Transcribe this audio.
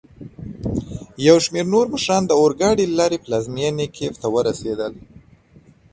یوشمیرنورمشران داورګاډي له لاري پلازمېني کېف ته ورسېدل.